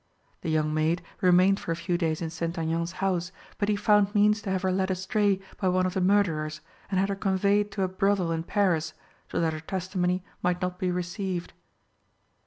The young maid remained for a few days in St. Aignan's house, but he found means to have her led astray by one of the murderers, and had her conveyed to a brothel in Paris so that her testimony might not be received.